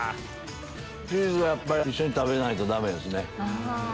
チーズはやっぱり一緒に食べないとダメですね。